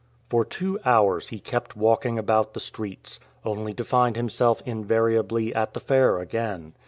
For two hours he kept walking about the streets, only to find himself invariably at the fair again.